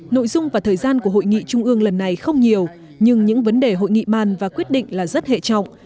nội dung và thời gian của hội nghị trung ương lần này không nhiều nhưng những vấn đề hội nghị ban và quyết định là rất hệ trọng